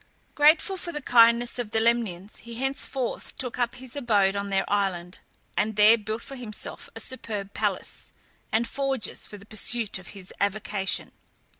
Grateful for the kindness of the Lemnians, he henceforth took up his abode in their island, and there built for himself a superb palace, and forges for the pursuit of his avocation.